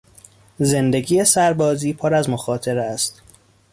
زندگی سربازی پر از مخاطره است.